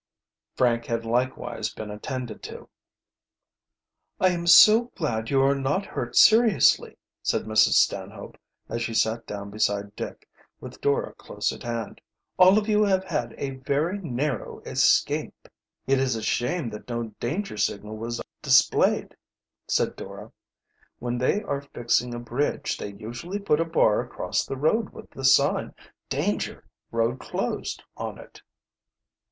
Frank had likewise been attended to. "I am so glad you are not hurt seriously," said Mrs. Stanhope, as she sat down beside Dick, with Dora close at hand. "All of you have had a very narrow escape." "It is a shame that no danger signal was display," said Dora. "When they are fixing a bridge they usually put a bar across the road with the sign: 'Danger! Road Closed,' on it."